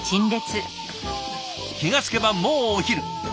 気が付けばもうお昼。